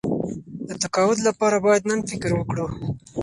د تقاعد لپاره باید نن فکر وکړو.